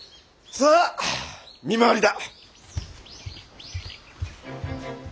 さあ見回りだ。